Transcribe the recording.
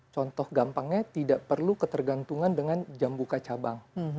contoh gampangnya tidak perlu ketergantungan dengan jam buka cabang